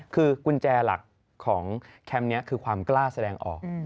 คือกุญแจหลักของแคมป์นี้คือความกล้าแสดงออก